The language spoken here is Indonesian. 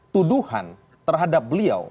tuduhan terhadap beliau